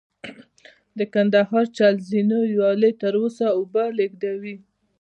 د کندهار چل زینو ویالې تر اوسه اوبه لېږدوي